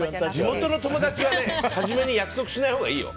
地元の友達は初めに約束しないほうがいいよ。